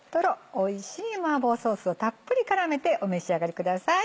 おいしい麻婆ソースをたっぷり絡めてお召し上がりください。